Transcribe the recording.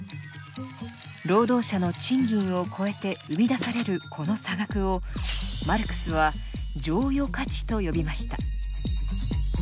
労働者の賃金を超えて生み出されるこの差額をマルクスは「剰余価値」と呼びました。